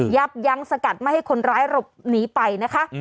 ยับยั้งสกัดไม่ให้คนร้ายหลบหนีไปนะคะ